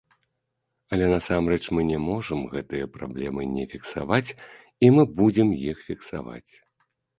Але насамрэч мы не можам гэтыя праблемы не фіксаваць, і мы будзем іх фіксаваць.